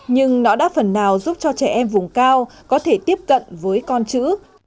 nhưng nó đã phần nào giúp cho trẻ em vùng cao có thể tiếp cận với con chữ